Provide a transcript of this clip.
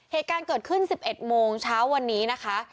เหตุการณ์เกิดขึ้น๑๑โมงเช้าวันนี้นะคะ